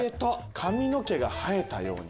髪の毛が生えたように。